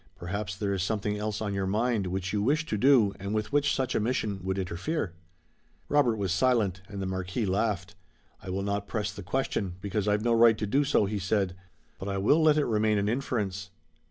"Perhaps there is something else on your mind which you wish to do and with which such a mission would interfere." Robert was silent and the Marquis laughed. "I will not press the question, because I've no right to do so," he said. "But I will let it remain an inference."